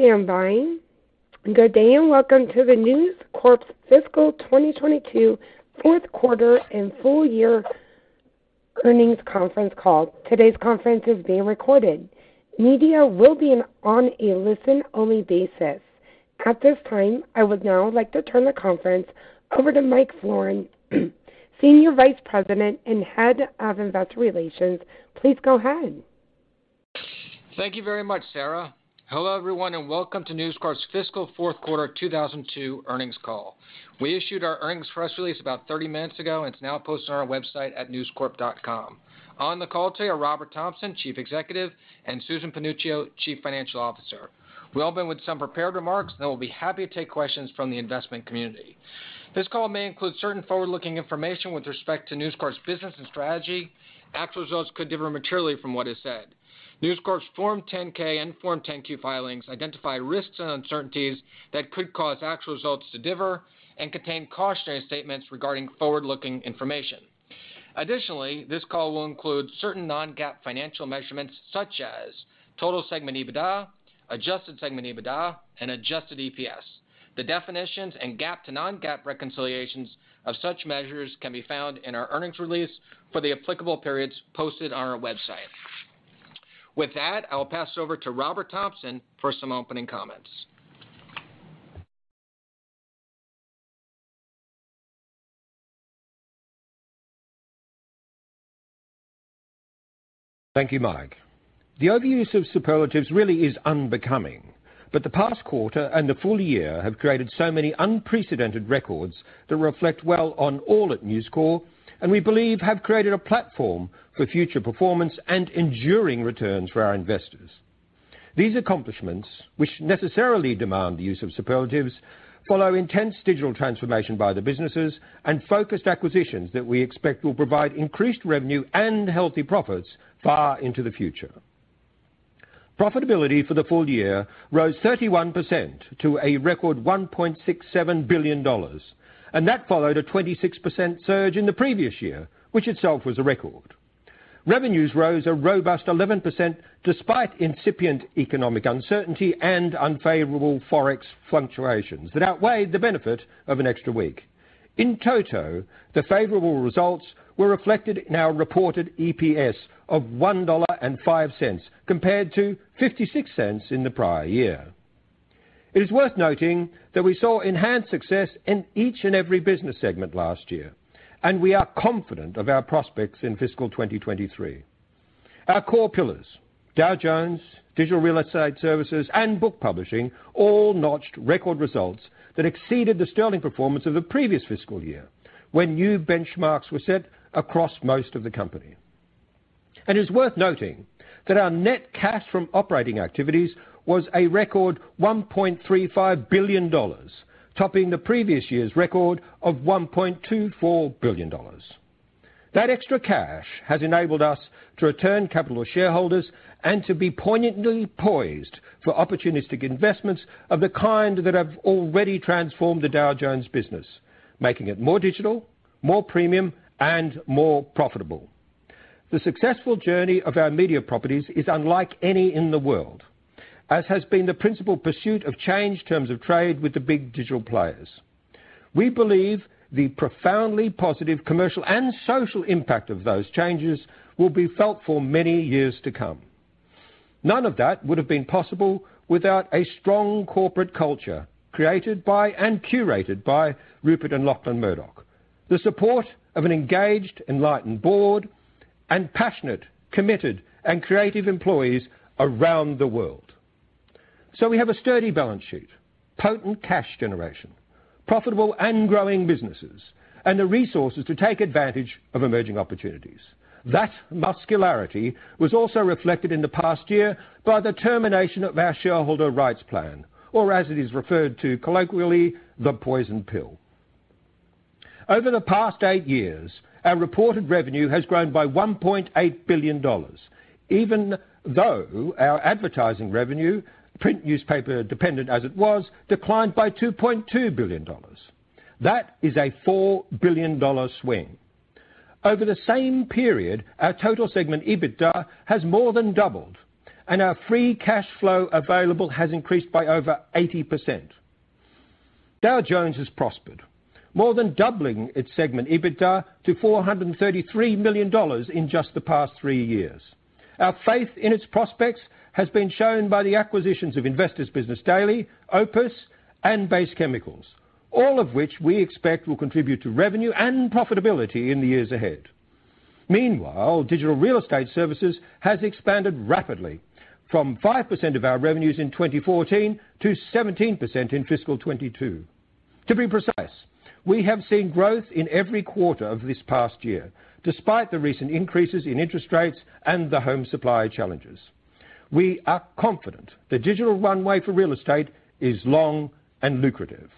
Please stand by. Good day, and welcome to the News Corp's fiscal 2022 fourth quarter and full year earnings conference call. Today's conference is being recorded. Media will be in on a listen-only basis. At this time, I would now like to turn the conference over to Michael Florin, Senior Vice President and Head of Investor Relations. Please go ahead. Thank you very much, Sarah. Hello, everyone, and welcome to News Corp's fiscal fourth quarter 2002 earnings call. We issued our earnings press release about 30 minutes ago, and it's now posted on our website at newscorp.com. On the call today are Robert Thomson, Chief Executive, and Susan Panuccio, Chief Financial Officer. We'll open with some prepared remarks, then we'll be happy to take questions from the investment community. This call may include certain forward-looking information with respect to News Corp's business and strategy. Actual results could differ materially from what is said. News Corp's Form 10-K and Form 10-Q filings identify risks and uncertainties that could cause actual results to differ and contain cautionary statements regarding forward-looking information. Additionally, this call will include certain non-GAAP financial measurements such as total segment EBITDA, adjusted segment EBITDA, and adjusted EPS. The definitions and GAAP to non-GAAP reconciliations of such measures can be found in our earnings release for the applicable periods posted on our website. With that, I'll pass over to Robert Thomson for some opening comments. Thank you, Mike. The overuse of superlatives really is unbecoming, but the past quarter and the full year have created so many unprecedented records that reflect well on all at News Corp and we believe have created a platform for future performance and enduring returns for our investors. These accomplishments, which necessarily demand the use of superlatives, follow intense digital transformation by the businesses and focused acquisitions that we expect will provide increased revenue and healthy profits far into the future. Profitability for the full year rose 31% to a record $1.67 billion, and that followed a 26% surge in the previous year, which itself was a record. Revenues rose a robust 11% despite incipient economic uncertainty and unfavorable Forex fluctuations that outweighed the benefit of an extra week. In total, the favorable results were reflected in our reported EPS of $1.05 compared to $0.56 in the prior year. It is worth noting that we saw enhanced success in each and every business segment last year, and we are confident of our prospects in fiscal 2023. Our core pillars, Dow Jones, Digital Real Estate Services, and Book Publishing, all notched record results that exceeded the sterling performance of the previous fiscal year when new benchmarks were set across most of the company. It's worth noting that our net cash from operating activities was a record $1.35 billion, topping the previous year's record of $1.24 billion. That extra cash has enabled us to return capital to shareholders and to be poignantly poised for opportunistic investments of the kind that have already transformed the Dow Jones business, making it more digital, more premium, and more profitable. The successful journey of our media properties is unlike any in the world, as has been the principal pursuit of changed terms of trade with the big digital players. We believe the profoundly positive commercial and social impact of those changes will be felt for many years to come. None of that would have been possible without a strong corporate culture created by and curated by Rupert Murdoch and Lachlan Murdoch, the support of an engaged, enlightened board, and passionate, committed, and creative employees around the world. We have a sturdy balance sheet, potent cash generation, profitable and growing businesses, and the resources to take advantage of emerging opportunities. That muscularity was also reflected in the past year by the termination of our shareholder rights plan, or as it is referred to colloquially, the poison pill. Over the past 8 years, our reported revenue has grown by $1.8 billion, even though our advertising revenue, print newspaper-dependent as it was, declined by $2.2 billion. That is a $4 billion swing. Over the same period, our total segment EBITDA has more than doubled, and our free cash flow available has increased by over 80%. Dow Jones has prospered, more than doubling its segment EBITDA to $433 million in just the past 3 years. Our faith in its prospects has been shown by the acquisitions of Investor's Business Daily, OPIS, and Base Chemicals, all of which we expect will contribute to revenue and profitability in the years ahead. Meanwhile, Digital Real Estate Services has expanded rapidly from 5% of our revenues in 2014 to 17% in fiscal 2022. To be precise, we have seen growth in every quarter of this past year, despite the recent increases in interest rates and the home supply challenges. We are confident the digital runway for real estate is long and lucrative.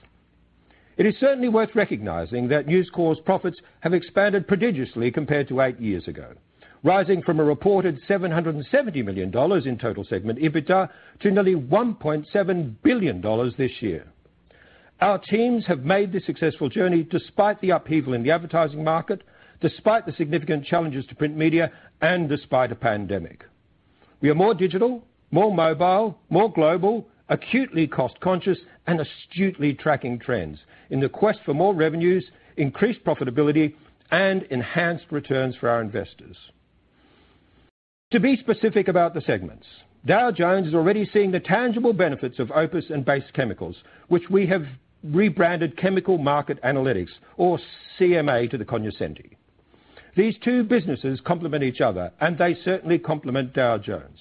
It is certainly worth recognizing that News Corp's profits have expanded prodigiously compared to eight years ago, rising from a reported $770 million in total segment EBITDA to nearly $1.7 billion this year. Our teams have made this successful journey despite the upheaval in the advertising market, despite the significant challenges to print media, and despite a pandemic. We are more digital, more mobile, more global, acutely cost-conscious, and astutely tracking trends in the quest for more revenues, increased profitability, and enhanced returns for our investors. To be specific about the segments, Dow Jones is already seeing the tangible benefits of OPIS and Base Chemicals, which we have rebranded Chemical Market Analytics, or CMA to the cognoscenti. These two businesses complement each other, and they certainly complement Dow Jones.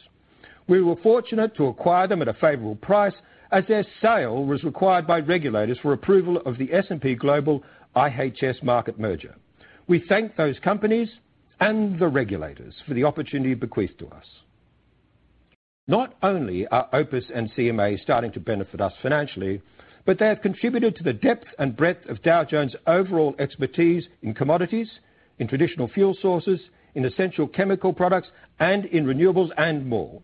We were fortunate to acquire them at a favorable price as their sale was required by regulators for approval of the S&P Global IHS Markit merger. We thank those companies and the regulators for the opportunity bequeathed to us. Not only are OPIS and CMA starting to benefit us financially, but they have contributed to the depth and breadth of Dow Jones' overall expertise in commodities, in traditional fuel sources, in essential chemical products, and in renewables and more.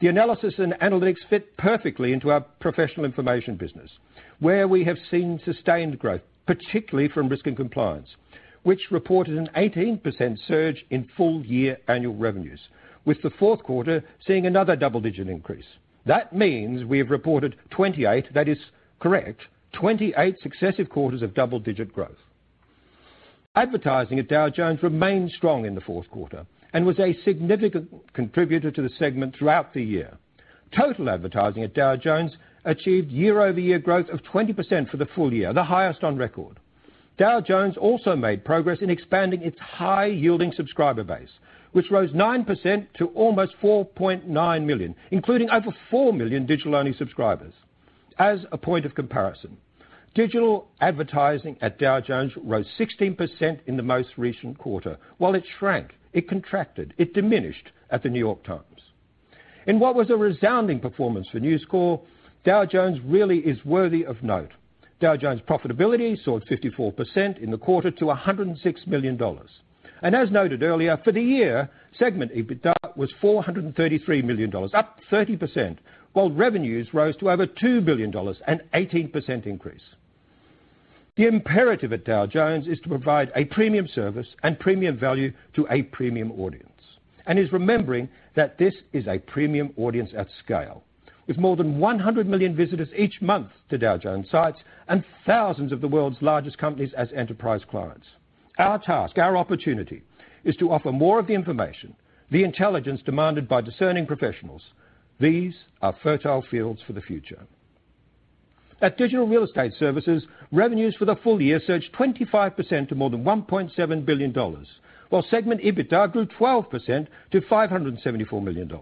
The analysis and analytics fit perfectly into our professional information business, where we have seen sustained growth, particularly from Risk & Compliance, which reported an 18% surge in full-year annual revenues, with the fourth quarter seeing another double-digit increase. That means we have reported 28, that is correct, 28 successive quarters of double-digit growth. Advertising at Dow Jones remained strong in the fourth quarter and was a significant contributor to the segment throughout the year. Total advertising at Dow Jones achieved year-over-year growth of 20% for the full year, the highest on record. Dow Jones also made progress in expanding its high-yielding subscriber base, which rose 9% to almost 4.9 million, including over 4 million digital-only subscribers. As a point of comparison, digital advertising at Dow Jones rose 16% in the most recent quarter, while it shrank, it contracted, it diminished at The New York Times. In what was a resounding performance for News Corp, Dow Jones really is worthy of note. Dow Jones profitability soared 54% in the quarter to $106 million. As noted earlier, for the year, segment EBITDA was $433 million, up 30%, while revenues rose to over $2 billion, an 18% increase. The imperative at Dow Jones is to provide a premium service and premium value to a premium audience, and is remembering that this is a premium audience at scale. With more than 100 million visitors each month to Dow Jones sites and thousands of the world's largest companies as enterprise clients. Our task, our opportunity, is to offer more of the information, the intelligence demanded by discerning professionals. These are fertile fields for the future. At Digital Real Estate Services, revenues for the full year surged 25% to more than $1.7 billion, while segment EBITDA grew 12% to $574 million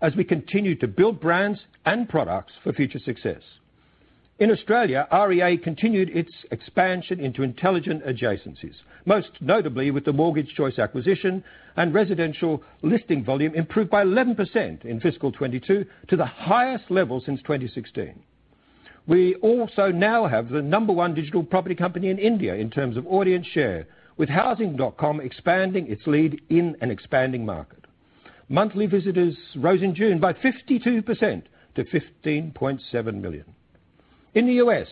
as we continued to build brands and products for future success. In Australia, REA continued its expansion into intelligent adjacencies, most notably with the Mortgage Choice acquisition and residential listing volume improved by 11% in fiscal 2022 to the highest level since 2016. We also now have the number one digital property company in India in terms of audience share, with Housing.com expanding its lead in an expanding market. Monthly visitors rose in June by 52% to 15.7 million. In the US,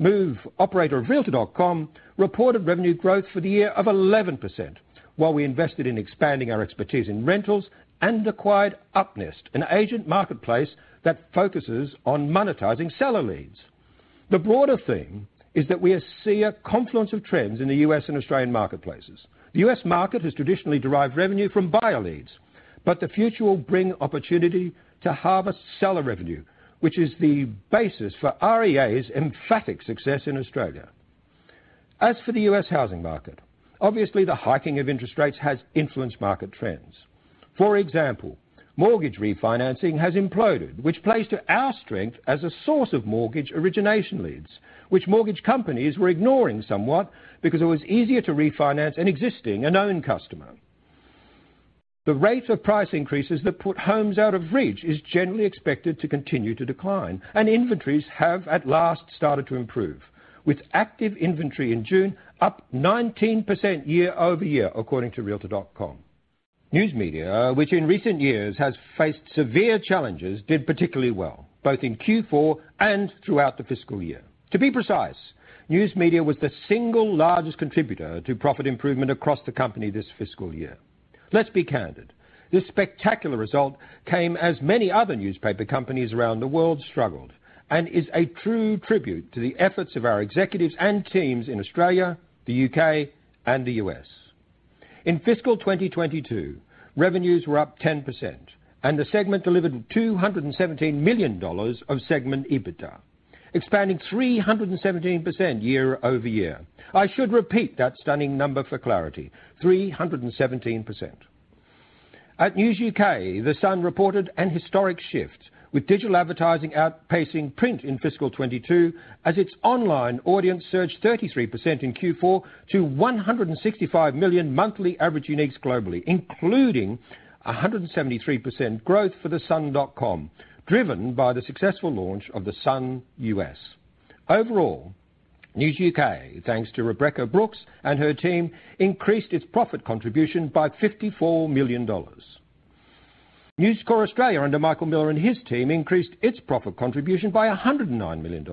Move, operator of Realtor.com, reported revenue growth for the year of 11% while we invested in expanding our expertise in rentals and acquired UpNest, an agent marketplace that focuses on monetizing seller leads. The broader theme is that we see a confluence of trends in the US and Australian marketplaces. The US market has traditionally derived revenue from buyer leads, but the future will bring opportunity to harvest seller revenue, which is the basis for REA's emphatic success in Australia. As for the US housing market, obviously, the hiking of interest rates has influenced market trends. For example, mortgage refinancing has imploded, which plays to our strength as a source of mortgage origination leads, which mortgage companies were ignoring somewhat because it was easier to refinance an existing, a known customer. The rate of price increases that put homes out of reach is generally expected to continue to decline, and inventories have at last started to improve, with active inventory in June up 19% year-over-year, according to Realtor.com. News media, which in recent years has faced severe challenges, did particularly well, both in Q4 and throughout the fiscal year. To be precise, news media was the single largest contributor to profit improvement across the company this fiscal year. Let's be candid. This spectacular result came as many other newspaper companies around the world struggled, and is a true tribute to the efforts of our executives and teams in Australia, the U.K., and the U.S. In fiscal 2022, revenues were up 10% and the segment delivered $217 million of segment EBITDA, expanding 317% year-over-year. I should repeat that stunning number for clarity, 317%. At News UK, The Sun reported an historic shift with digital advertising outpacing print in fiscal 2022 as its online audience surged 33% in Q4 to 165 million monthly average uniques globally, including 173% growth for The-Sun.com, driven by the successful launch of the U.S. Sun. Overall, News UK, thanks to Rebekah Brooks and her team, increased its profit contribution by $54 million. News Corp Australia under Michael Miller and his team increased its profit contribution by $109 million,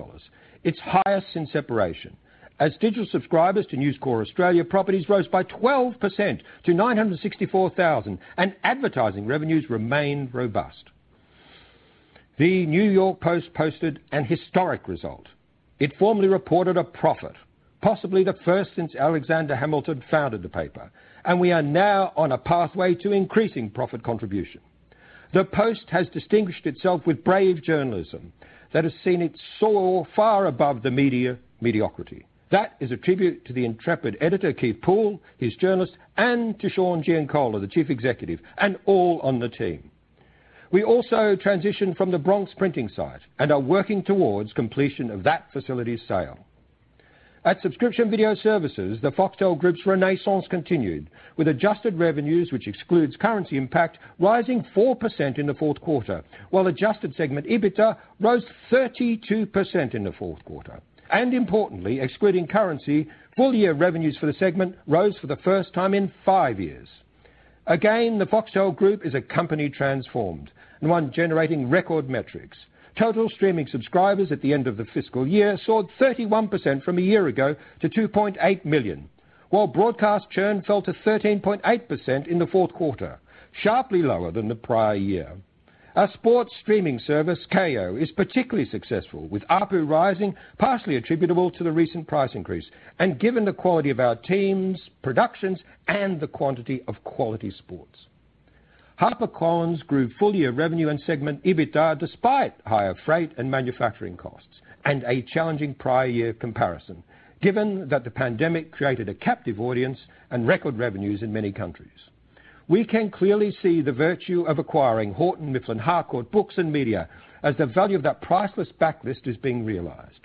its highest since separation. Digital subscribers to News Corp Australia properties rose by 12% to 964,000, and advertising revenues remained robust. The New York Post posted an historic result. It formally reported a profit, possibly the first since Alexander Hamilton founded the paper, and we are now on a pathway to increasing profit contribution. The Post has distinguished itself with brave journalism that has seen it soar far above the media mediocrity. That is a tribute to the intrepid Editor, Keith Poole, his journalists, and to Sean Giancola, the Chief Executive, and all on the team. We also transitioned from the Bronx printing site and are working towards completion of that facility's sale. At Subscription Video Services, the Foxtel Group's renaissance continued, with adjusted revenues, which excludes currency impact, rising 4% in the fourth quarter, while adjusted segment EBITDA rose 32% in the fourth quarter. Importantly, excluding currency, full-year revenues for the segment rose for the first time in 5 years. Again, the Foxtel Group is a company transformed, and one generating record metrics. Total streaming subscribers at the end of the fiscal year soared 31% from a year ago to 2.8 million, while broadcast churn fell to 13.8% in the fourth quarter, sharply lower than the prior year. Our sports streaming service, Kayo, is particularly successful, with ARPU rising partially attributable to the recent price increase, and given the quality of our teams, productions, and the quantity of quality sports. HarperCollins grew full-year revenue and segment EBITDA despite higher freight and manufacturing costs and a challenging prior year comparison, given that the pandemic created a captive audience and record revenues in many countries. We can clearly see the virtue of acquiring Houghton Mifflin Harcourt Books & Media as the value of that priceless backlist is being realized.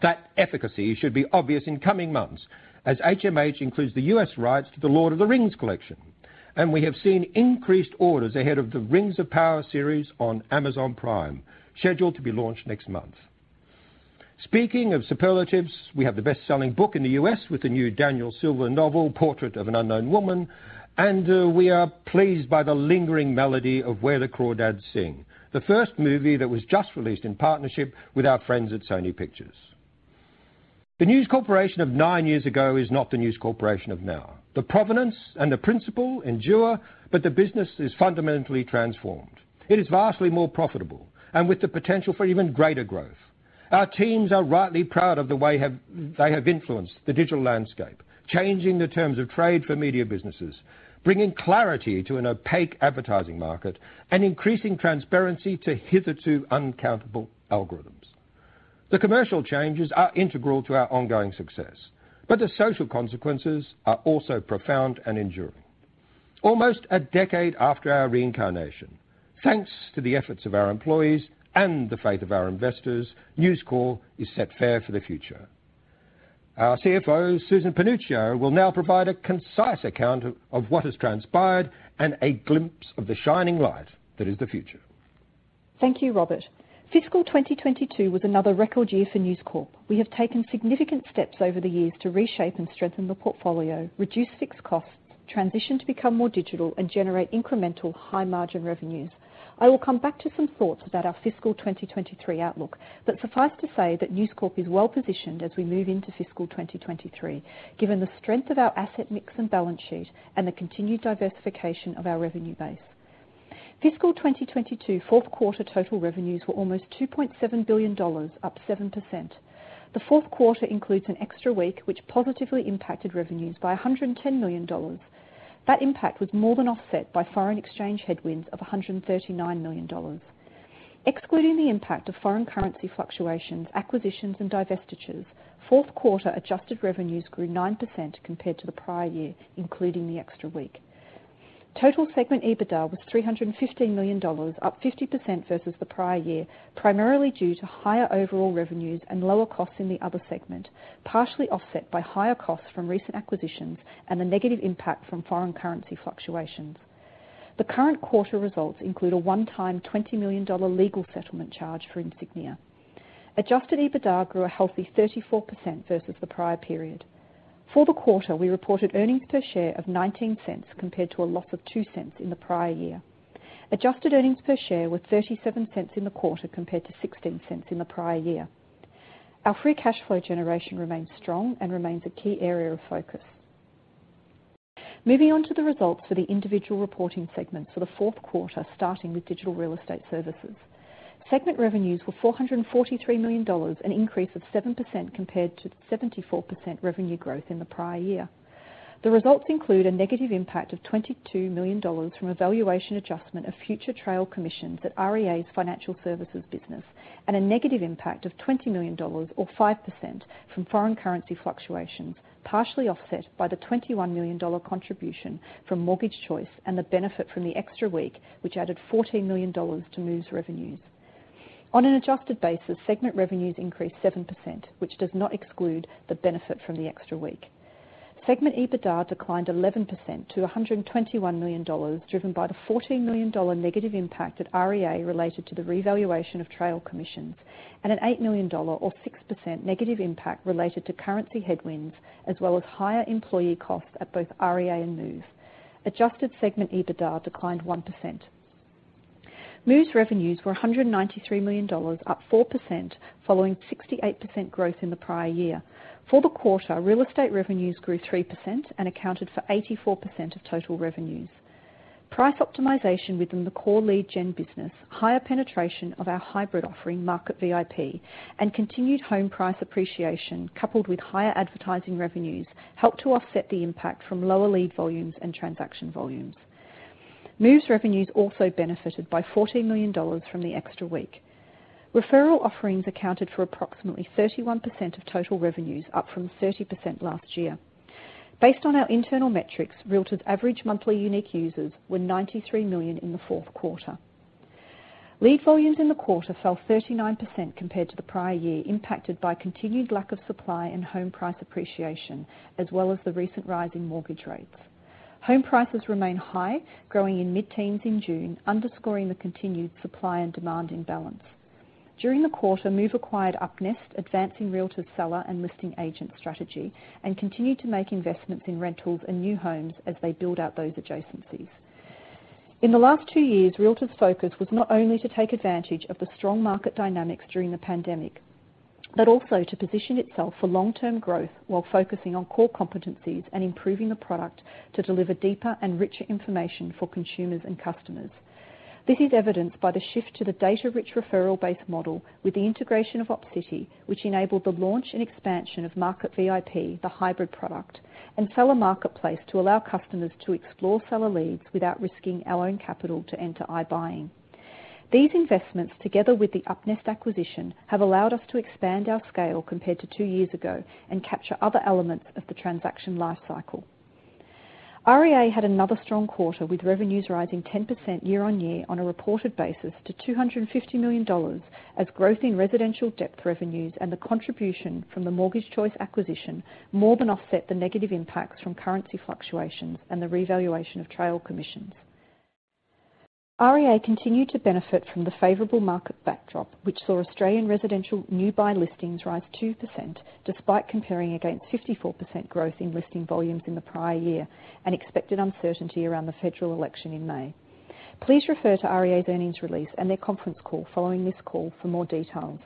That efficacy should be obvious in coming months as HMH includes the US rights to The Lord of the Rings collection, and we have seen increased orders ahead of the Rings of Power series on Amazon Prime, scheduled to be launched next month. Speaking of superlatives, we have the best-selling book in the US with the new Daniel Silva novel, Portrait of an Unknown Woman, and, we are pleased by the lingering melody of Where the Crawdads Sing, the first movie that was just released in partnership with our friends at Sony Pictures. The News Corporation of nine years ago is not the News Corporation of now. The provenance and the principle endure, but the business is fundamentally transformed. It is vastly more profitable and with the potential for even greater growth. Our teams are rightly proud of the way they have influenced the digital landscape, changing the terms of trade for media businesses, bringing clarity to an opaque advertising market, and increasing transparency to hitherto uncountable algorithms. The commercial changes are integral to our ongoing success, but the social consequences are also profound and enduring. Almost a decade after our reincarnation, thanks to the efforts of our employees and the faith of our investors, News Corp is set fair for the future. Our CFO, Susan Panuccio, will now provide a concise account of what has transpired and a glimpse of the shining light that is the future. Thank you, Robert. Fiscal 2022 was another record year for News Corp. We have taken significant steps over the years to reshape and strengthen the portfolio, reduce fixed costs, transition to become more digital, and generate incremental high-margin revenues. I will come back to some thoughts about our fiscal 2023 outlook, but suffice to say that News Corp is well positioned as we move into fiscal 2023, given the strength of our asset mix and balance sheet and the continued diversification of our revenue base. Fiscal 2022 fourth quarter total revenues were almost $2.7 billion, up 7%. The fourth quarter includes an extra week, which positively impacted revenues by $110 million. That impact was more than offset by foreign exchange headwinds of $139 million. Excluding the impact of foreign currency fluctuations, acquisitions, and divestitures, fourth quarter adjusted revenues grew 9% compared to the prior year, including the extra week. Total segment EBITDA was $315 million, up 50% versus the prior year, primarily due to higher overall revenues and lower costs in the other segment, partially offset by higher costs from recent acquisitions and the negative impact from foreign currency fluctuations. The current quarter results include a one-time $20 million legal settlement charge for Insignia Systems. Adjusted EBITDA grew a healthy 34% versus the prior period. For the quarter, we reported earnings per share of $0.19 compared to a loss of $0.02 in the prior year. Adjusted earnings per share were $0.37 in the quarter compared to $0.16 in the prior year. Our free cash flow generation remains strong and remains a key area of focus. Moving on to the results for the individual reporting segments for the fourth quarter, starting with Digital Real Estate Services. Segment revenues were $443 million, an increase of 7% compared to 74% revenue growth in the prior year. The results include a negative impact of $22 million from a valuation adjustment of future trail commissions at REA's financial services business and a negative impact of $20 million or 5% from foreign currency fluctuations, partially offset by the $21 million contribution from Mortgage Choice and the benefit from the extra week, which added $14 million to Move's revenues. On an adjusted basis, segment revenues increased 7%, which does not exclude the benefit from the extra week. Segment EBITDA declined 11% to $121 million, driven by the $14 million negative impact at REA related to the revaluation of trail commissions and an $8 million or 6% negative impact related to currency headwinds, as well as higher employee costs at both REA and Move. Adjusted segment EBITDA declined 1%. Move's revenues were $193 million, up 4% following 68% growth in the prior year. For the quarter, real estate revenues grew 3% and accounted for 84% of total revenues. Price optimization within the core lead gen business, higher penetration of our hybrid offering, Market VIP, and continued home price appreciation, coupled with higher advertising revenues, helped to offset the impact from lower lead volumes and transaction volumes. Move's revenues also benefited by $14 million from the extra week. Referral offerings accounted for approximately 31% of total revenues, up from 30% last year. Based on our internal metrics, Realtor.com's average monthly unique users were 93 million in the fourth quarter. Lead volumes in the quarter fell 39% compared to the prior year, impacted by continued lack of supply and home price appreciation, as well as the recent rise in mortgage rates. Home prices remain high, growing in mid-teens in June, underscoring the continued supply and demand imbalance. During the quarter, Move acquired UpNest, advancing Realtor.com's seller and listing agent strategy, and continued to make investments in rentals and new homes as they build out those adjacencies. In the last two years, Realtor.com's focus was not only to take advantage of the strong market dynamics during the pandemic, but also to position itself for long-term growth while focusing on core competencies and improving the product to deliver deeper and richer information for consumers and customers. This is evidenced by the shift to the data-rich referral-based model with the integration of Opcity, which enabled the launch and expansion of Market VIP, the hybrid product, and Seller's Marketplace to allow customers to explore seller leads without risking our own capital to enter iBuying. These investments, together with the UpNest acquisition, have allowed us to expand our scale compared to two years ago and capture other elements of the transaction lifecycle. REA had another strong quarter, with revenues rising 10% year-on-year on a reported basis to $250 million, as growth in residential depth revenues and the contribution from the Mortgage Choice acquisition more than offset the negative impacts from currency fluctuations and the revaluation of trail commissions. REA continued to benefit from the favorable market backdrop, which saw Australian residential new buy listings rise 2%, despite comparing against 54% growth in listing volumes in the prior year and expected uncertainty around the federal election in May. Please refer to REA's earnings release and their conference call following this call for more details.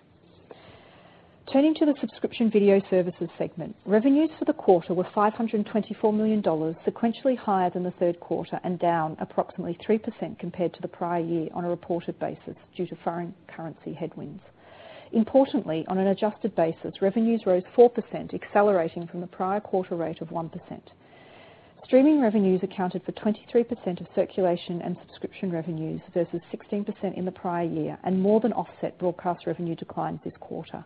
Turning to the subscription video services segment, revenues for the quarter were $524 million, sequentially higher than the third quarter and down approximately 3% compared to the prior year on a reported basis due to foreign currency headwinds. Importantly, on an adjusted basis, revenues rose 4%, accelerating from the prior quarter rate of 1%. Streaming revenues accounted for 23% of circulation and subscription revenues, versus 16% in the prior year, and more than offset broadcast revenue declines this quarter.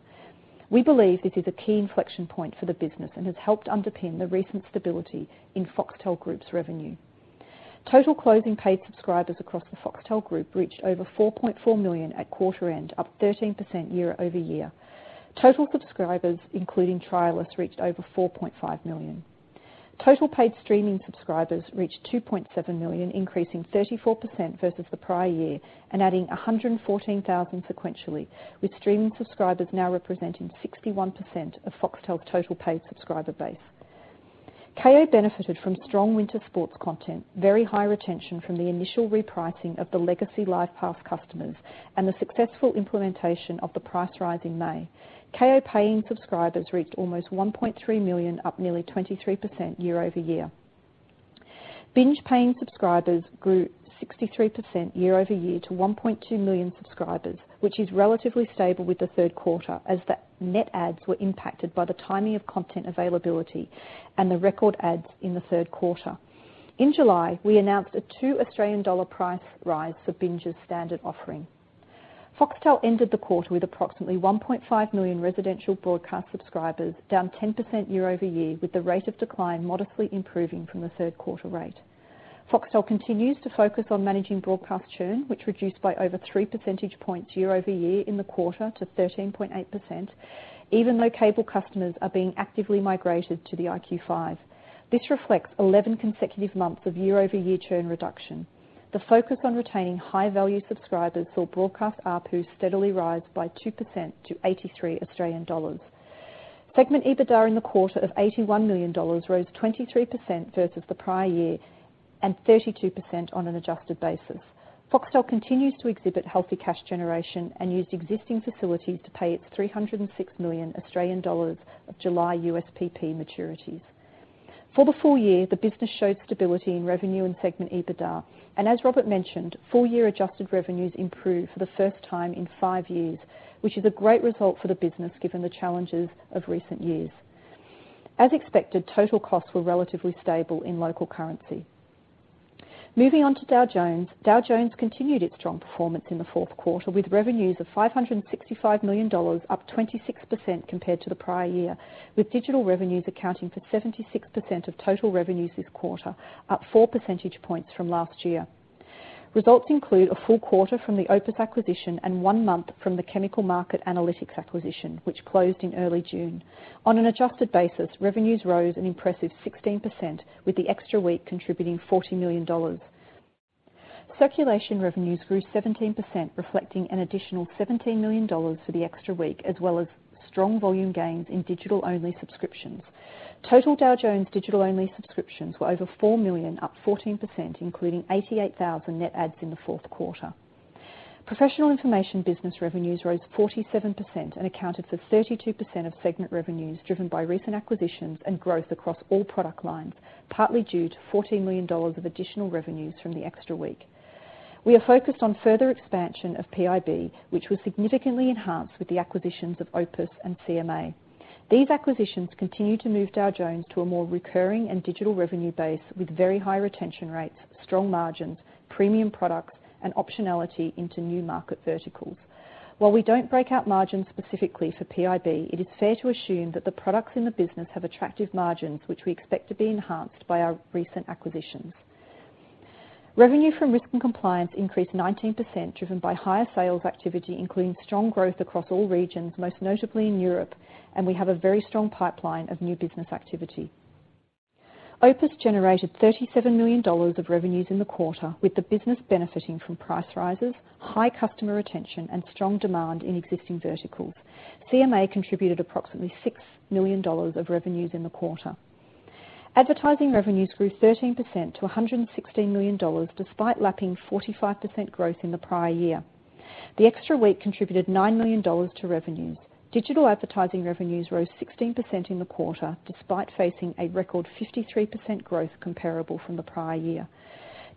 We believe this is a key inflection point for the business and has helped underpin the recent stability in Foxtel Group's revenue. Total closing paid subscribers across the Foxtel group reached over 4.4 million at quarter end, up 13% year-over-year. Total subscribers, including trialists, reached over 4.5 million. Total paid streaming subscribers reached 2.7 million, increasing 34% versus the prior year and adding 114,000 sequentially, with streaming subscribers now representing 61% of Foxtel's total paid subscriber base. Kayo benefited from strong winter sports content, very high retention from the initial repricing of the legacy Live Pass customers, and the successful implementation of the price rise in May. Kayo paying subscribers reached almost 1.3 million, up nearly 23% year-over-year. Binge paying subscribers grew 63% year-over-year to 1.2 million subscribers, which is relatively stable with the third quarter as the net adds were impacted by the timing of content availability and the record adds in the third quarter. In July, we announced a 2 Australian dollar price rise for Binge's standard offering. Foxtel ended the quarter with approximately 1.5 million residential broadcast subscribers, down 10% year-over-year, with the rate of decline modestly improving from the third quarter rate. Foxtel continues to focus on managing broadcast churn, which reduced by over three percentage points year-over-year in the quarter to 13.8%, even though cable customers are being actively migrated to the IQ5. This reflects 11 consecutive months of year-over-year churn reduction. The focus on retaining high-value subscribers saw broadcast ARPU steadily rise by 2% to 83 Australian dollars. Segment EBITDA in the quarter of $81 million rose 23% versus the prior year, and 32% on an adjusted basis. Foxtel continues to exhibit healthy cash generation and used existing facilities to pay its 306 million Australian dollars of July USPP maturities. For the full year, the business showed stability in revenue and segment EBITDA, and as Robert mentioned, full year adjusted revenues improved for the first time in five years, which is a great result for the business given the challenges of recent years. As expected, total costs were relatively stable in local currency. Moving on to Dow Jones. Dow Jones continued its strong performance in the fourth quarter with revenues of $565 million, up 26% compared to the prior year, with digital revenues accounting for 76% of total revenues this quarter, up four percentage points from last year. Results include a full quarter from the OPIS acquisition and one month from the Chemical Market Analytics acquisition, which closed in early June. On an adjusted basis, revenues rose an impressive 16%, with the extra week contributing $40 million. Circulation revenues grew 17%, reflecting an additional $17 million for the extra week, as well as strong volume gains in digital-only subscriptions. Total Dow Jones digital-only subscriptions were over 4 million, up 14%, including 88,000 net adds in the fourth quarter. Professional information business revenues rose 47% and accounted for 32% of segment revenues, driven by recent acquisitions and growth across all product lines, partly due to $14 million of additional revenues from the extra week. We are focused on further expansion of PIB, which was significantly enhanced with the acquisitions of OPIS and CMA. These acquisitions continue to move Dow Jones to a more recurring and digital revenue base with very high retention rates, strong margins, premium products, and optionality into new market verticals. While we don't break out margins specifically for PIB, it is fair to assume that the products in the business have attractive margins, which we expect to be enhanced by our recent acquisitions. Revenue from Risk & Compliance increased 19%, driven by higher sales activity, including strong growth across all regions, most notably in Europe, and we have a very strong pipeline of new business activity. OPIS generated $37 million of revenues in the quarter, with the business benefiting from price rises, high customer retention, and strong demand in existing verticals. CMA contributed approximately $6 million of revenues in the quarter. Advertising revenues grew 13% to $116 million, despite lapping 45% growth in the prior year. The extra week contributed $9 million to revenues. Digital advertising revenues rose 16% in the quarter, despite facing a record 53% growth comparable from the prior year.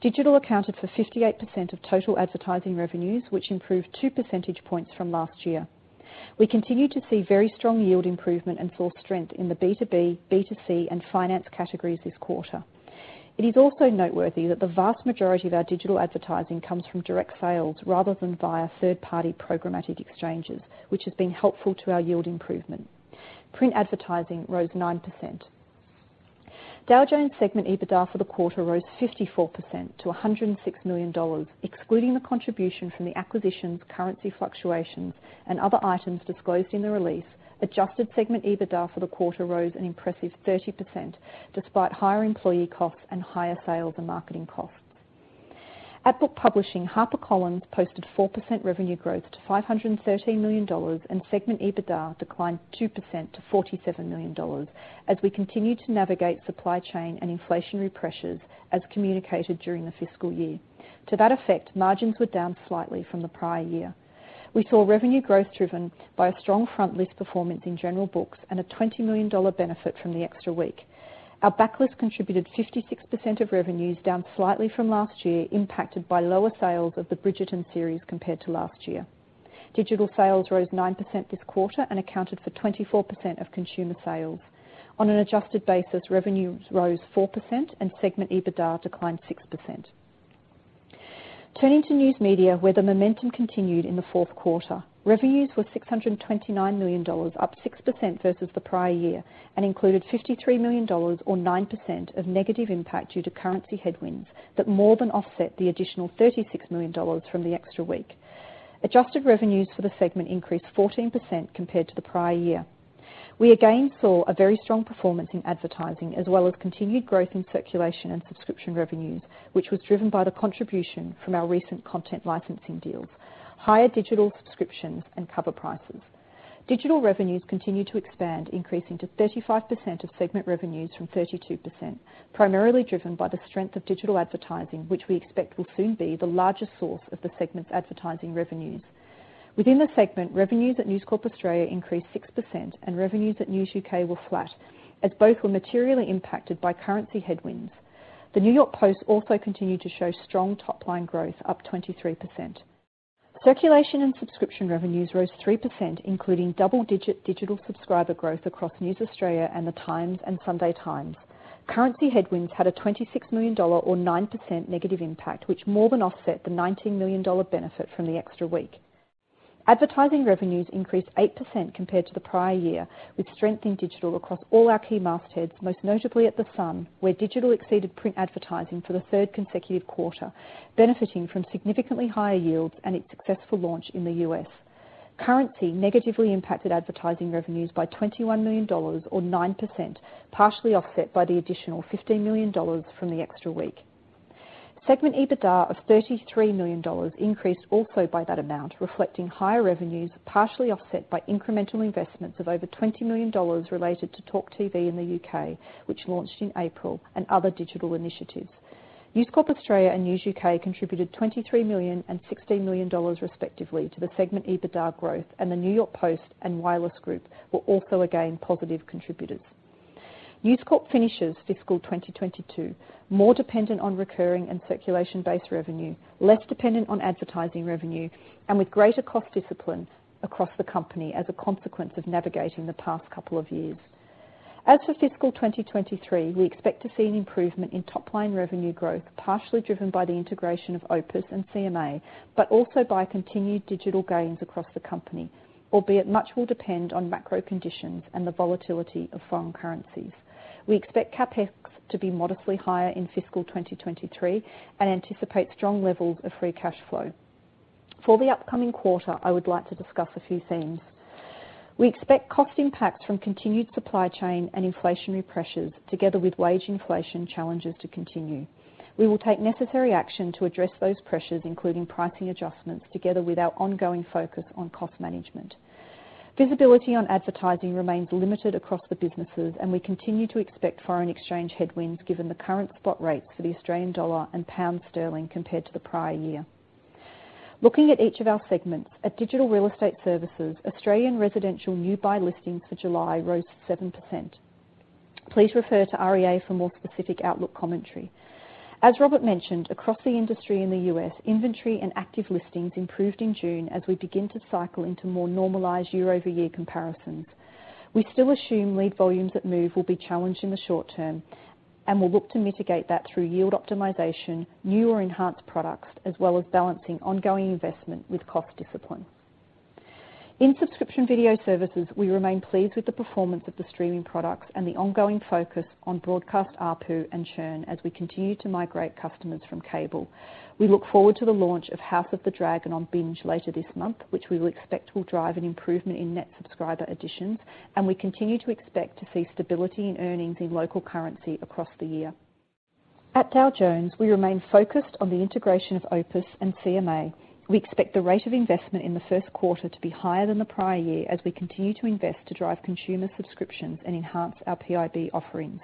Digital accounted for 58% of total advertising revenues, which improved 2 percentage points from last year. We continue to see very strong yield improvement and saw strength in the B2B, B2C, and finance categories this quarter. It is also noteworthy that the vast majority of our digital advertising comes from direct sales rather than via third-party programmatic exchanges, which has been helpful to our yield improvement. Print advertising rose 9%. Dow Jones segment EBITDA for the quarter rose 54% to $106 million, excluding the contribution from the acquisitions, currency fluctuations, and other items disclosed in the release. Adjusted segment EBITDA for the quarter rose an impressive 30% despite higher employee costs and higher sales and marketing costs. At Book Publishing, HarperCollins posted 4% revenue growth to $513 million, and segment EBITDA declined 2% to $47 million as we continue to navigate supply chain and inflationary pressures as communicated during the fiscal year. To that effect, margins were down slightly from the prior year. We saw revenue growth driven by a strong front list performance in general books and a $20 million benefit from the extra week. Our backlist contributed 56% of revenues, down slightly from last year, impacted by lower sales of the Bridgerton series compared to last year. Digital sales rose 9% this quarter and accounted for 24% of consumer sales. On an adjusted basis, revenues rose 4% and segment EBITDA declined 6%. Turning to News Media, where the momentum continued in the fourth quarter. Revenues were $629 million, up 6% versus the prior year, and included $53 million or 9% of negative impact due to currency headwinds that more than offset the additional $36 million from the extra week. Adjusted revenues for the segment increased 14% compared to the prior year. We again saw a very strong performance in advertising as well as continued growth in circulation and subscription revenues, which was driven by the contribution from our recent content licensing deals, higher digital subscriptions, and cover prices. Digital revenues continue to expand, increasing to 35% of segment revenues from 32%, primarily driven by the strength of digital advertising, which we expect will soon be the largest source of the segment's advertising revenues. Within the segment, revenues at News Corp Australia increased 6% and revenues at News UK were flat, as both were materially impacted by currency headwinds. The New York Post also continued to show strong top-line growth, up 23%. Circulation and subscription revenues rose 3%, including double-digit digital subscriber growth across News Australia and The Times and Sunday Times. Currency headwinds had a $26 million or 9% negative impact, which more than offset the $19 million benefit from the extra week. Advertising revenues increased 8% compared to the prior year, with strength in digital across all our key mastheads, most notably at The Sun, where digital exceeded print advertising for the third consecutive quarter, benefiting from significantly higher yields and its successful launch in the U.S. Currency negatively impacted advertising revenues by $21 million or 9%, partially offset by the additional $15 million from the extra week. Segment EBITDA of $33 million increased also by that amount, reflecting higher revenues, partially offset by incremental investments of over $20 million related to TalkTV in the U.K., which launched in April, and other digital initiatives. News Corp Australia and News UK contributed $23 million and $16 million, respectively, to the segment EBITDA growth, and the New York Post and Wireless Group were also, again, positive contributors. News Corp finishes fiscal 2022 more dependent on recurring and circulation-based revenue, less dependent on advertising revenue, and with greater cost disciplines across the company as a consequence of navigating the past couple of years. As for fiscal 2023, we expect to see an improvement in top-line revenue growth, partially driven by the integration of OPIS and CMA, but also by continued digital gains across the company, albeit much will depend on macro conditions and the volatility of foreign currencies. We expect CapEx to be modestly higher in fiscal 2023 and anticipate strong levels of free cash flow. For the upcoming quarter, I would like to discuss a few themes. We expect cost impacts from continued supply chain and inflationary pressures, together with wage inflation challenges to continue. We will take necessary action to address those pressures, including pricing adjustments together with our ongoing focus on cost management. Visibility on advertising remains limited across the businesses, and we continue to expect foreign exchange headwinds given the current spot rates for the Australian dollar and pound sterling compared to the prior year. Looking at each of our segments. At Digital Real Estate Services, Australian residential new buy listings for July rose 7%. Please refer to REA for more specific outlook commentary. As Robert mentioned, across the industry in the U.S., inventory and active listings improved in June as we begin to cycle into more normalized year-over-year comparisons. We still assume lead volumes at Move will be challenged in the short term, and we'll look to mitigate that through yield optimization, new or enhanced products, as well as balancing ongoing investment with cost discipline. In Subscription Video Services, we remain pleased with the performance of the streaming products and the ongoing focus on broadcast ARPU and churn as we continue to migrate customers from cable. We look forward to the launch of House of the Dragon on Binge later this month, which we will expect will drive an improvement in net subscriber additions, and we continue to expect to see stability in earnings in local currency across the year. At Dow Jones, we remain focused on the integration of OPIS and CMA. We expect the rate of investment in the first quarter to be higher than the prior year as we continue to invest to drive consumer subscriptions and enhance our PIB offerings.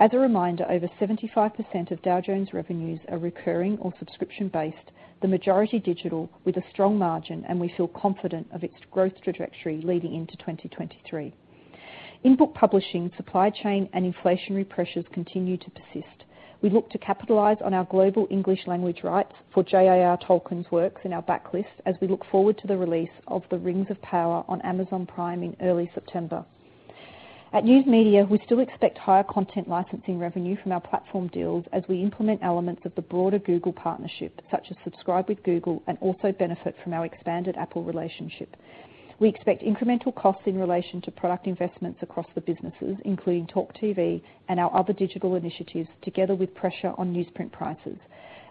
As a reminder, over 75% of Dow Jones revenues are recurring or subscription-based, the majority digital with a strong margin, and we feel confident of its growth trajectory leading into 2023. In Book Publishing, supply chain and inflationary pressures continue to persist. We look to capitalize on our global English language rights for J.R.R. Tolkien's works in our backlist as we look forward to the release of The Rings of Power on Amazon Prime in early September. At News Media, we still expect higher content licensing revenue from our platform deals as we implement elements of the broader Google partnership, such as Subscribe with Google, and also benefit from our expanded Apple relationship. We expect incremental costs in relation to product investments across the businesses, including TalkTV and our other digital initiatives, together with pressure on newsprint prices.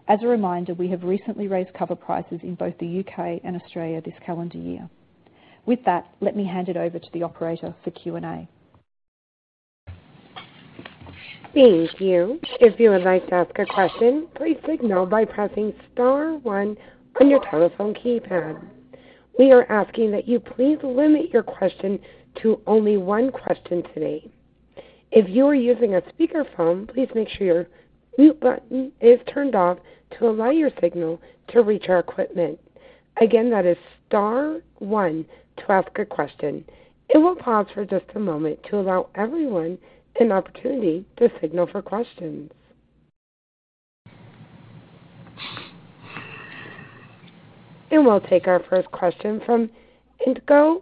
As a reminder, we have recently raised cover prices in both the U.K. and Australia this calendar year. With that, let me hand it over to the operator for Q&A. Thank you. If you would like to ask a question, please signal by pressing star one on your telephone keypad. We are asking that you please limit your question to only one question today. If you are using a speakerphone, please make sure your mute button is turned off to allow your signal to reach our equipment. Again, that is star one to ask a question. It will pause for just a moment to allow everyone an opportunity to signal for questions. We'll take our first question from Entcho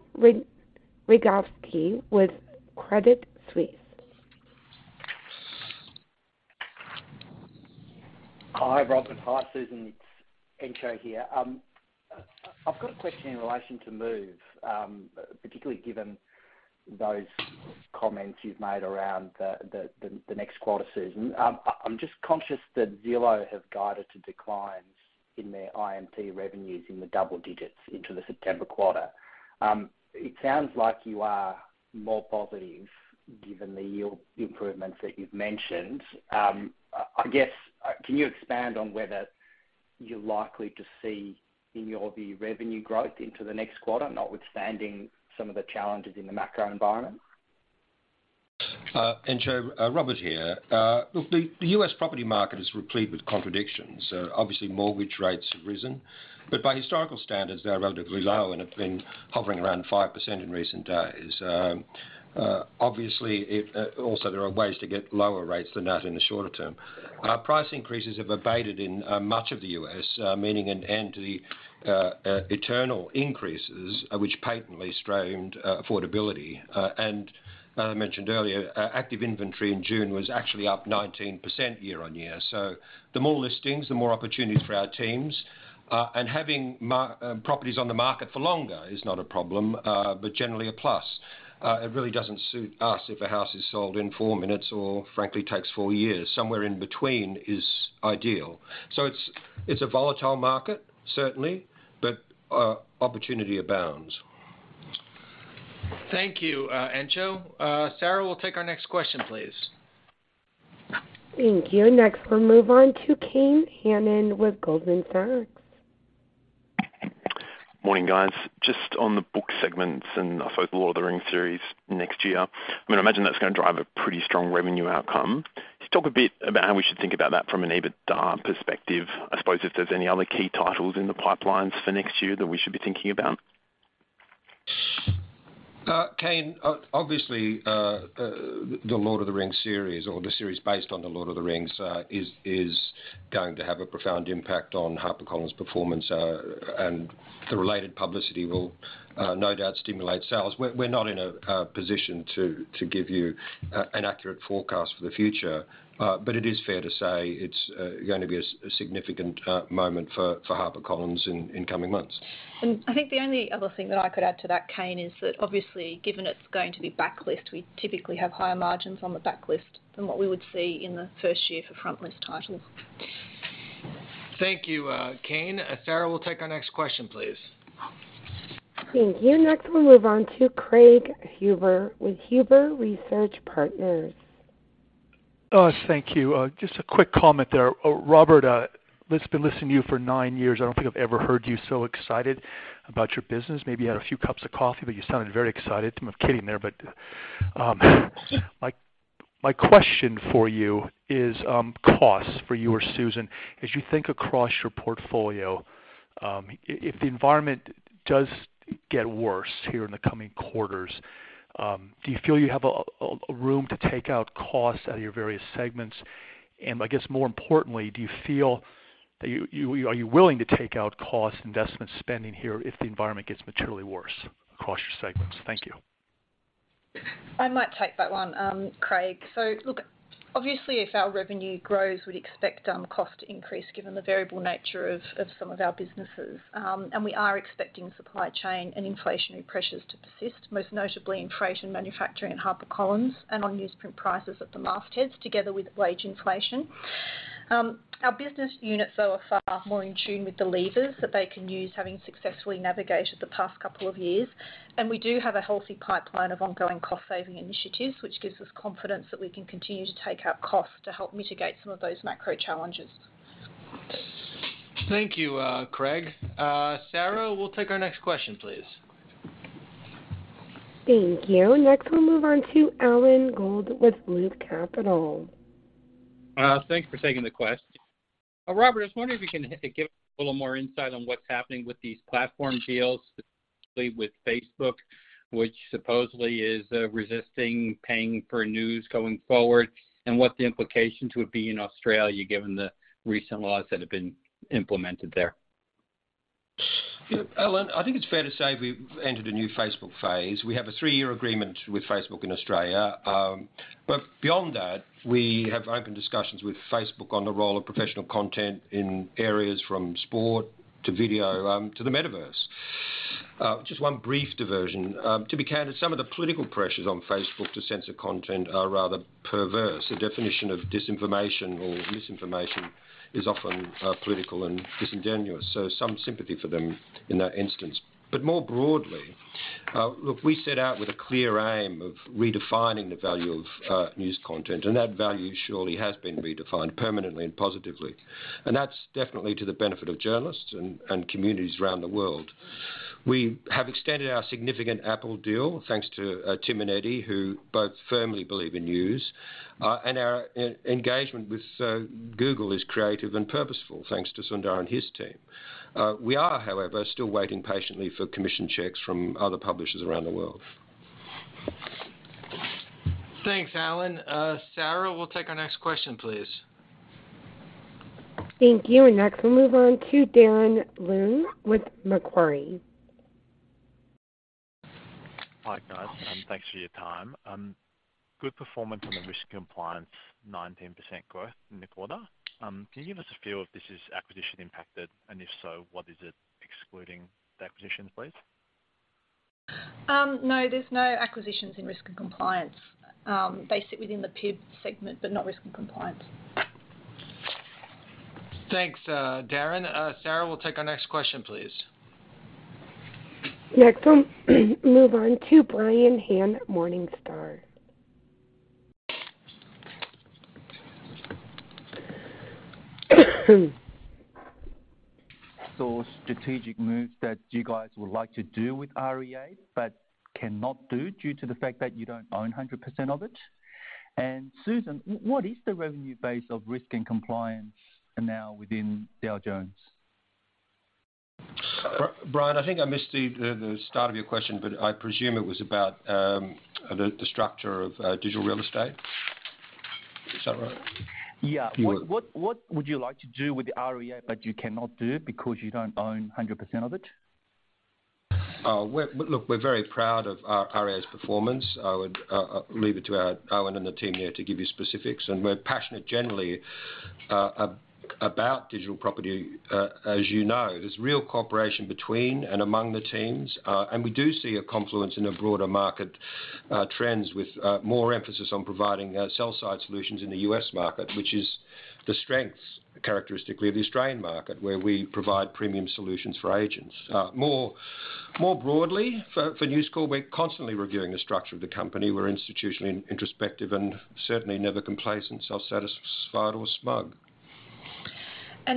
Raykovski with Credit Suisse. Hi, Robert. Hi, Susan. It's Entcho here. I've got a question in relation to Move, particularly given those comments you've made around the next quarter, Susan. I'm just conscious that Zillow have guided to declines in their IMT revenues in the double digits into the September quarter. It sounds like you are more positive given the yield improvements that you've mentioned. I guess, can you expand on whether you're likely to see in your view revenue growth into the next quarter, notwithstanding some of the challenges in the macro environment? Entcho, Robert here. Look, the U.S. property market is replete with contradictions. Obviously mortgage rates have risen, but by historical standards, they are relatively low and have been hovering around 5% in recent days. Obviously, also there are ways to get lower rates than that in the shorter term. Price increases have abated in much of the U.S., meaning an end to the eternal increases which patently strained affordability. As I mentioned earlier, active inventory in June was actually up 19% year-over-year. The more listings, the more opportunities for our teams, and having properties on the market for longer is not a problem, but generally a plus. It really doesn't suit us if a house is sold in four minutes or frankly takes four years. Somewhere in between is ideal. It's a volatile market, certainly, but opportunity abounds. Thank you, Entcho. Sarah, we'll take our next question, please. Thank you. Next, we'll move on to Kane Hannan with Goldman Sachs. Morning, guys. Just on the book segments and I suppose The Lord of the Rings series next year, I mean, I imagine that's gonna drive a pretty strong revenue outcome. Just talk a bit about how we should think about that from an EBITDA perspective. I suppose if there's any other key titles in the pipeline for next year that we should be thinking about. Kane, obviously, the Lord of the Rings series or the series based on The Lord of the Rings is going to have a profound impact on HarperCollins' performance. The related publicity will no doubt stimulate sales. We're not in a position to give you an accurate forecast for the future, but it is fair to say it's going to be a significant moment for HarperCollins in coming months. I think the only other thing that I could add to that, Kane, is that obviously given it's going to be backlist, we typically have higher margins on the backlist than what we would see in the first year for frontlist titles. Thank you, Kane. Sarah, we'll take our next question, please. Thank you. Next, we'll move on to Craig Huber with Huber Research Partners. Oh, thank you. Just a quick comment there. Robert Thomson, I've been listening to you for nine years. I don't think I've ever heard you so excited about your business. Maybe you had a few cups of coffee, but you sounded very excited. I'm kidding there, but my question for you is, question for you or Susan Panuccio. As you think across your portfolio, if the environment does get worse here in the coming quarters, do you feel you have a room to take costs out of your various segments? I guess more importantly, do you feel that you are willing to take out costs, investment spending here if the environment gets materially worse across your segments? Thank you. I might take that one, Craig. Look, obviously if our revenue grows, we'd expect cost to increase given the variable nature of some of our businesses. We are expecting supply chain and inflationary pressures to persist, most notably in freight and manufacturing at HarperCollins and on newsprint prices at the tabloids, together with wage inflation. Our business units, though, are far more in tune with the levers that they can use, having successfully navigated the past couple of years. We do have a healthy pipeline of ongoing cost-saving initiatives, which gives us confidence that we can continue to take out costs to help mitigate some of those macro challenges. Thank you, Craig. Sarah, we'll take our next question, please. Thank you. Next, we'll move on to Alan Gould with Loop Capital. Thanks for taking the question. Robert, I was wondering if you can give a little more insight on what's happening with these platform deals, particularly with Facebook, which supposedly is resisting paying for news going forward, and what the implications would be in Australia, given the recent laws that have been implemented there. Look, Alan Gould, I think it's fair to say we've entered a new Facebook phase. We have a three-year agreement with Facebook in Australia, but beyond that, we have open discussions with Facebook on the role of professional content in areas from sport to video, to the metaverse. Just one brief diversion. To be candid, some of the political pressures on Facebook to censor content are rather perverse. The definition of disinformation or misinformation is often political and disingenuous, so some sympathy for them in that instance. But more broadly, look, we set out with a clear aim of redefining the value of news content, and that value surely has been redefined permanently and positively. That's definitely to the benefit of journalists and communities around the world. We have extended our significant Apple deal, thanks to Tim and Eddie, who both firmly believe in news. Our engagement with Google is creative and purposeful, thanks to Sundar and his team. We are, however, still waiting patiently for commission checks from other publishers around the world. Thanks, Alan. Sarah, we'll take our next question, please. Thank you. Next, we'll move on to Darren Leung with Macquarie. Hi, guys, and thanks for your time. Good performance on the Risk & Compliance, 19% growth in the quarter. Can you give us a feel if this is acquisition impacted, and if so, what is it excluding the acquisitions, please? No, there's no acquisitions in Risk & Compliance. They sit within the PIB segment, but not Risk & Compliance. Thanks, Darren. Sarah, we'll take our next question, please. Next, we'll move on to Brian Han at Morningstar. Strategic moves that you guys would like to do with REA but cannot do due to the fact that you don't own 100% of it. Susan, what is the revenue base of Risk & Compliance now within Dow Jones? Brian, I think I missed the start of your question, but I presume it was about the structure of Digital Real Estate. Is that right? What would you like to do with the REA but you cannot do because you don't own 100% of it? We're very proud of our REA's performance. I would leave it to our Owen and the team here to give you specifics. We're passionate generally about digital property. As you know, there's real cooperation between and among the teams. We do see a confluence in the broader market trends with more emphasis on providing sell-side solutions in the U.S. market, which is the strengths, characteristically, of the Australian market, where we provide premium solutions for agents. More broadly for News Corp, we're constantly reviewing the structure of the company. We're institutionally introspective and certainly never complacent, self-satisfied or smug.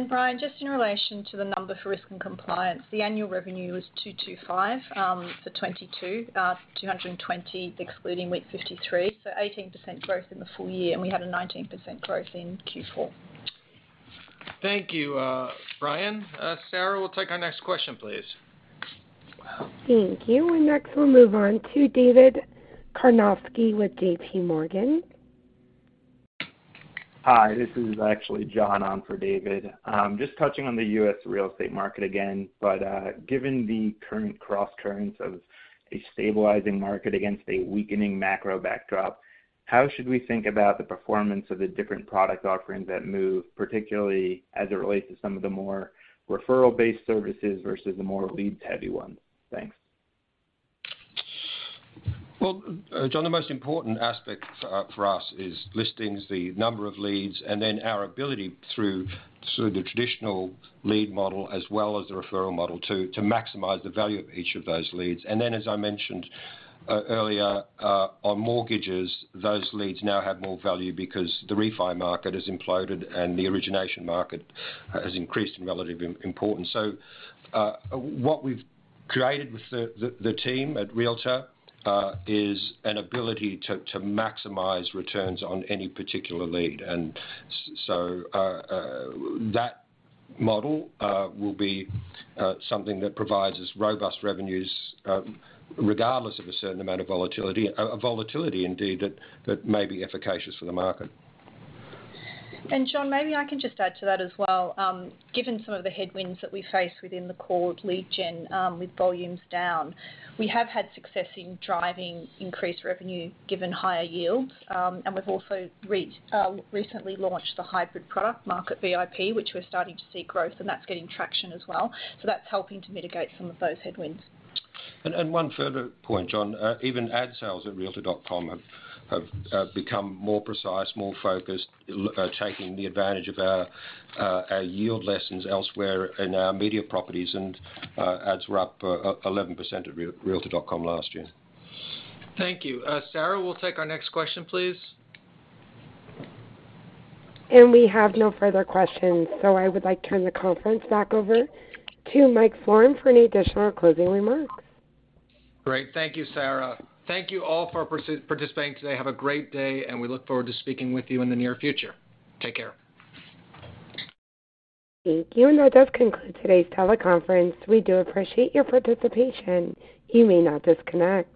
Brian, just in relation to the number for Risk & Compliance, the annual revenue is $225 for 2022, $220 excluding week 53. 18% growth in the full year, and we had a 19% growth in Q4. Thank you, Brian. Sarah, we'll take our next question, please. Thank you. Next, we'll move on to David Karnovsky with JP Morgan. Hi, this is actually John on for David. Just touching on the U.S. real estate market again. Given the current crosscurrents of a stabilizing market against a weakening macro backdrop, how should we think about the performance of the different product offerings at Move, particularly as it relates to some of the more referral-based services versus the more lead-heavy ones? Thanks. Well, John, the most important aspect for us is listings, the number of leads, and then our ability through sort of the traditional lead model as well as the referral model to maximize the value of each of those leads. As I mentioned earlier on mortgages, those leads now have more value because the refi market has imploded and the origination market has increased in relative importance. What we've created with the team at Realtor.com is an ability to maximize returns on any particular lead. That model will be something that provides us robust revenues regardless of a certain amount of volatility indeed that may be efficacious for the market. John, maybe I can just add to that as well. Given some of the headwinds that we face within the core lead gen, with volumes down, we have had success in driving increased revenue given higher yields. We've also recently launched the hybrid product, Market VIP, which we're starting to see growth, and that's gaining traction as well. That's helping to mitigate some of those headwinds. One further point, John. Even ad sales at Realtor.com have become more precise, more focused, taking the advantage of our yield lessons elsewhere in our media properties, and ads were up 11% at Realtor.com last year. Thank you. Sarah, we'll take our next question, please. We have no further questions, so I would like to turn the conference back over to Mike Florin for any additional closing remarks. Great. Thank you, Sarah. Thank you all for participating today. Have a great day, and we look forward to speaking with you in the near future. Take care. Thank you. That does conclude today's teleconference. We do appreciate your participation. You may now disconnect.